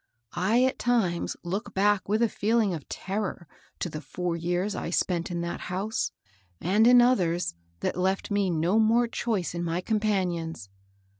" I at times look back with a feeling of terror to the four years I spent in that house, and in others, that left me no more choice in my com r BEBTHA GILES. 51 panions.